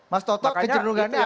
mas toto kejendungannya akan